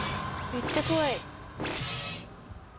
めっちゃ怖い。